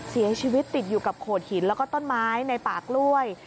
เสียชีวิตติดอยู่กับโขดหินแล้วก็ต้นไม้ในป่ากล้วย